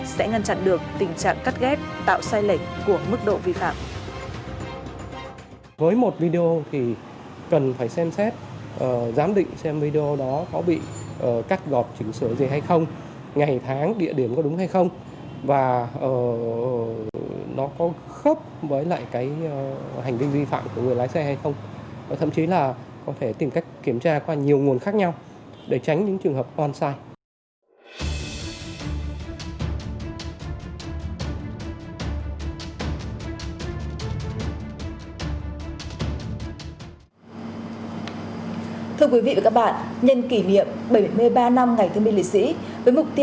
sẽ ngăn chặn được tình trạng cắt ghét tạo sai lệnh của mức độ vi phạm